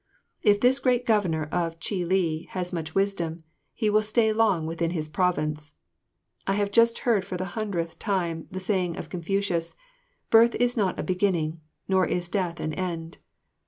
If this great Governor of Chih li has much wisdom, he will stay long within his province. I have just heard for the hundredth time the saying of Confucius, "Birth is not a beginning, nor is death an end."